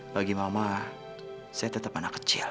bagi mama saya tetap anak kecil